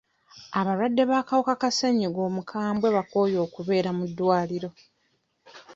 Abalwadde b'akawuka ka ssenyiga omukambwe bakooye okubeera mu ddwaliro.